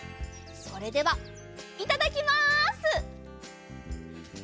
それではいただきます！